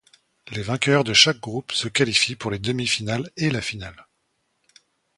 Les vainqueurs de chaque groupe se qualifient pour les demi-finales et la finale.